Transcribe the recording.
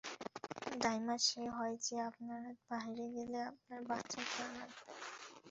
দাইমা সে হয় যে আপনারা বাহিরে গেলে আপনার বাচ্চার খেয়াল রাখবে।